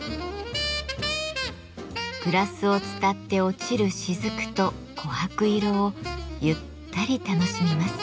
グラスを伝って落ちる滴と琥珀色をゆったり楽しみます。